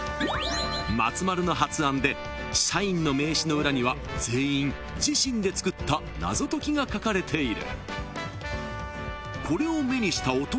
［松丸の発案で社員の名刺の裏には全員自身で作った謎解きが書かれている］